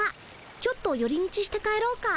ちょっとより道して帰ろうか。